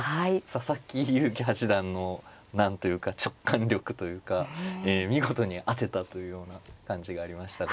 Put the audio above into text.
佐々木勇気八段の何というか直感力というかええ見事に当てたというような感じがありましたが。